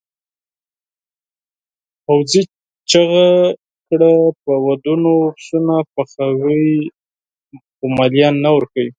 پوځي چیغه کړه په ودونو پسونه پخوئ خو مالیه نه ورکوئ.